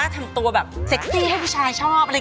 ทำตัวแบบเซ็กซี่ให้ผู้ชายชอบอะไร